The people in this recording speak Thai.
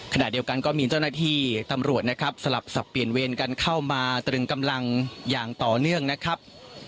ขณะเดียวกันก็มีเจ้าหน้าที่ตำรวจนะครับสลับสับเปลี่ยนเวรกันเข้ามาตรึงกำลังอย่างต่อเนื่องนะครับ